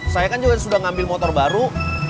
saya kan juga sudah ngambil motor baru